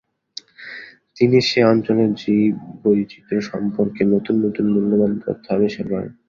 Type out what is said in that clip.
তিনি সে অঞ্চলের জীববৈচিত্র্য সম্পর্কে নতুন নতুন মূল্যবান তথ্য আবিষ্কার করেন।